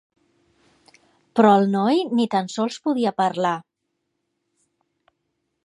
Però el noi ni tan sols podia parlar.